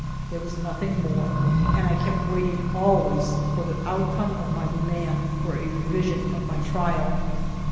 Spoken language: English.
There was nothing more ; and I kept waiting always for the outcome of my demand for a revi sion of my trial.